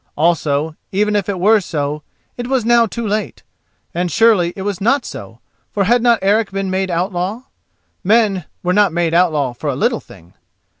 Also, even if it were so, it was now too late. And surely it was not so, for had not Eric been made outlaw? Men were not made outlaw for a little thing.